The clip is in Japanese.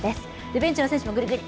ベンチの選手もグリグリ。